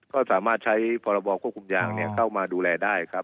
ก็สามารถใช้พรบควบคุมยางเข้ามาดูแลได้ครับ